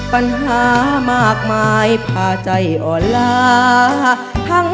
ปัญหามากมายผ่าใจอ่อนลา